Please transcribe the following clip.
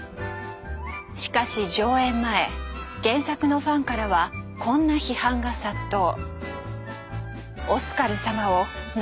しかし上演前原作のファンからはこんな批判が殺到。